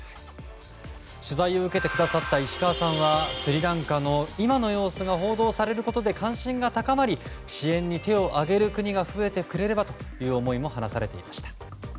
取材を受けてくださった石川さんはスリランカの今の様子が報道されることで関心が高まり支援に手を挙げる国が増えてくれればとも話されていました。